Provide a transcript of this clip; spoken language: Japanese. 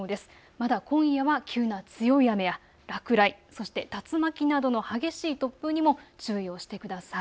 また今夜は急な強い雨や落雷、竜巻などの激しい突風にも注意をしてください。